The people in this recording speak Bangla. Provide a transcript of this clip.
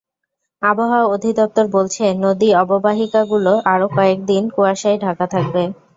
আবহাওয়া অধিদপ্তর বলছে, নদী অববাহিকাগুলো আরও কয়েক দিন কুয়াশায় ঢাকা থাকবে।